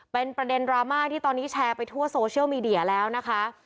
เป็นประเด็นดราม่าที่ตอนนี้แชร์ไปทั่วโซเชียลมีเดียแล้วนะคะ